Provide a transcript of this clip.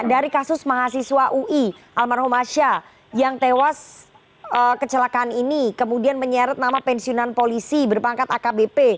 dari kasus mahasiswa ui almarhum asya yang tewas kecelakaan ini kemudian menyeret nama pensiunan polisi berpangkat akbp